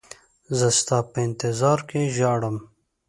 زه ستا په انتظار کې ژاړم.